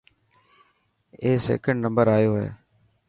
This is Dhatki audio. اي سڪنڊ نمبر آيو هي.